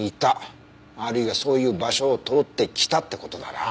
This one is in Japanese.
あるいはそういう場所を通ってきたって事だな。